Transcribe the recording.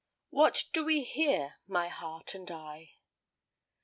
"WHAT DO WE HERE, MY HEART AND I?"